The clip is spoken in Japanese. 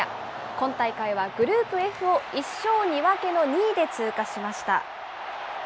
今大会はグループＦを１勝２分けの２位で通過しました。